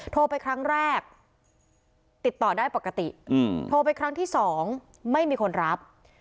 โทรไปครั้งแรกติดต่อได้ปกติโทรไปครั้งที่๒ไม่มีคนรับ